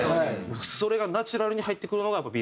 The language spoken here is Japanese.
それがナチュラルに入ってくるのがＢ